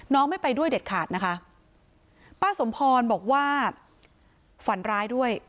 ไม่ไปด้วยเด็ดขาดนะคะป้าสมพรบอกว่าฝันร้ายด้วย